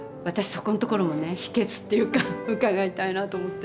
そこのところもね秘訣っていうか伺いたいなって思ってるんです。